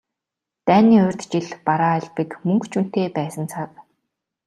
Дайны урьд жил бараа элбэг, мөнгө ч үнэтэй байсан цаг.